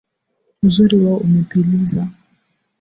Uzuri wao umepiliza